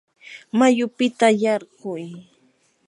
mayupita yarquy.